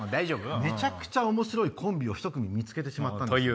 めちゃくちゃおもしろいコンビをひと組見つけてしまったんです。